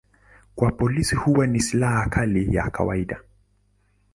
Kwa polisi huwa ni silaha kali ya kawaida.